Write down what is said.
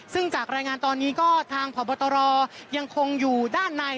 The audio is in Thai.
ซึ่งจากรายงานตอนนี้ก็ทางพบตรยังคงอยู่ด้านใน